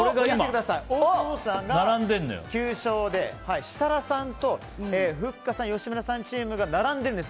オオクボーノさんが９勝で設楽さんとふっかさん、吉村さんチームが並んでるんです。